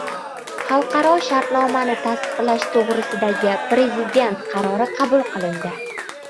“Xalqaro shartnomani tasdiqlash to‘g‘risida”gi Prezident qarori qabul qilindi